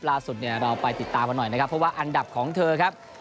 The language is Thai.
ล่าสุดเนี่ยเราไปติดตามมาหน่อยนะครับเพราะว่าอันดับของเธอครับ